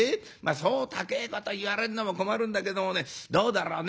「そう高えこと言われんのも困るんだけどもねどうだろうね？